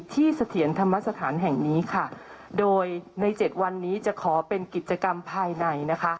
เสถียรธรรมสถานแห่งนี้ค่ะโดยในเจ็ดวันนี้จะขอเป็นกิจกรรมภายในนะคะ